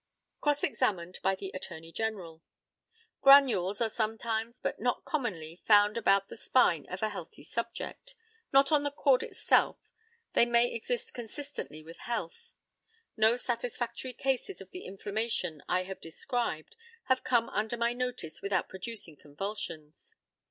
Cross examined by the ATTORNEY GENERAL: Granules are sometimes, but not commonly, found about the spine of a healthy subject not on the cord itself; they may exist consistently with health. No satisfactory cases of the inflammation I have described have come under my notice without producing convulsions.